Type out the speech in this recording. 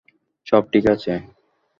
সব ঠিক আছে!